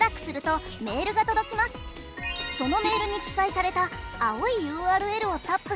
そのメールに記載された青いＵＲＬをタップしてください。